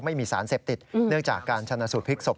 ไม่มีสารเสพติดเนื่องจากการชนะสูตรพลิกศพ